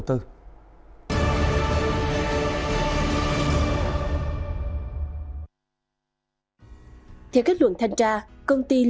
tiếp theo chương trình là các thông tin kinh tế đáng chú ý đến từ trường quay phía nam